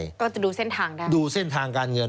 ใช่ก็จะดูเส้นทางได้ดูเส้นทางการเงิน